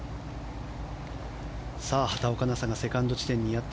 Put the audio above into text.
畑岡奈紗がセカンド地点です。